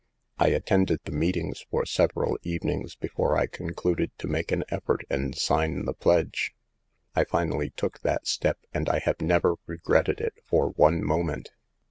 I attended the meetings for several even ings before I concluded to make an effort and sign the pledge , I finally took that step and I have never regretted it for one moment.